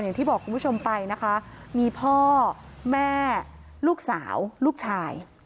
อย่างที่บอกคุณผู้ชมไปนะคะมีพ่อแม่ลูกสาวลูกชาย